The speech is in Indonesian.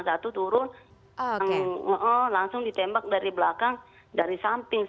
satu turun langsung ditembak dari belakang dari samping